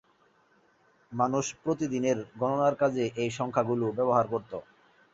মানুষ প্রতিদিনের গণনার কাজে এই সংখ্যাগুলো ব্যবহার করতো।